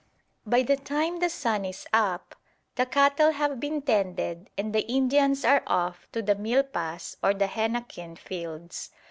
By the time the sun is up, the cattle have been tended and the Indians are off to the milpas or the henequen fields.